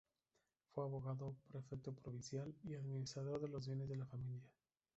Fue abogado, prefecto provincial y administrador de los bienes de la familia.